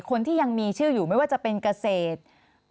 คนที่ยังมีชื่ออยู่ไม่ว่าจะเป็นเกษตร